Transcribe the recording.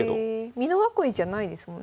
美濃囲いじゃないですもんね。